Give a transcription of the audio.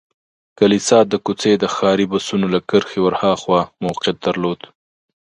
کلیسا د کوڅې د ښاري بسونو له کرښې ور هاخوا موقعیت درلود.